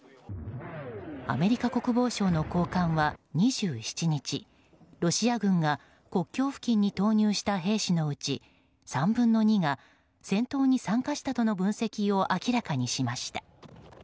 アメリカ国防省の高官は２７日、ロシア軍が国境付近に投入した兵士のうち３分の２が戦闘に参加したとの分析を明らかにしました。